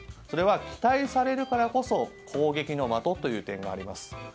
それは期待されるからこそ攻撃の的という点があります。